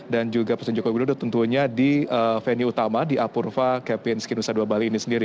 dan juga pesunjuk pesunjuknya tentunya di venue utama di apurva kpns kedusia dua bali ini sendiri